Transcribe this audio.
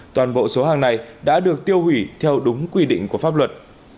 toàn bộ số hàng này đã được tiêu hủy theo đúng quy định của pháp luật